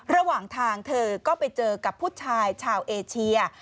ระหว่างทางเธอก็ไปเจอกับผู้ชายชาวเอเชีย